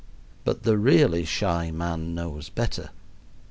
But the really shy man knows better.